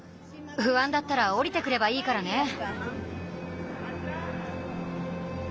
ふあんだったらおりてくればいいからね。